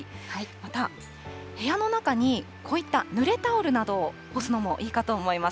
また部屋の中に、こういったぬれタオルなどを干すのもいいかと思います。